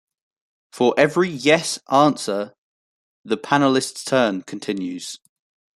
For every "yes" answer, the panelist's turn continues.